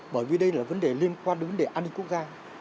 bởi vì đây là vấn đề liên quan đến vấn đề an ninh quốc gia